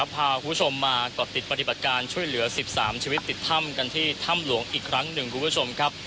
พาคุณผู้ชมมาก่อติดปฏิบัติการช่วยเหลือ๑๓ชีวิตติดถ้ำกันที่ถ้ำหลวงอีกครั้งหนึ่งคุณผู้ชมครับ